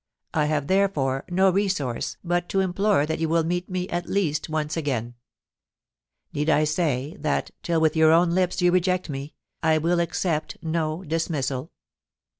I have, therefore, no resource but to implore that you will meet me at least once again. * Need I say that, till with your own lips you reject me, I will accept no dismissal ?